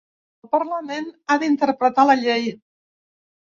El parlament ha d’interpretar la llei.